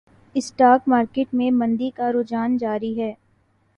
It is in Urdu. اسٹاک مارکیٹ میں مندی کا رجحان جاری